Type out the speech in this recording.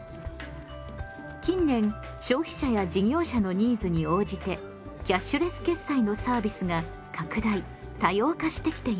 近年消費者や事業者のニーズに応じてキャッシュレス決済のサービスが拡大多様化してきています。